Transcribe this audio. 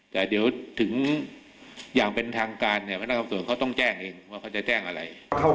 แต่ถึงอย่างทางการพนักคำสวนต้องแจ้งเองว่าจะแจ้งอะไร